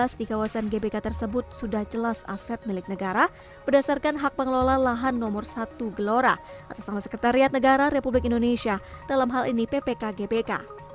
di kawasan gbk tersebut sudah jelas aset milik negara berdasarkan hak pengelola lahan nomor satu gelora atas nama sekretariat negara republik indonesia dalam hal ini ppk gbk